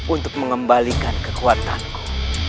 untuk mengembalikan kekuatanku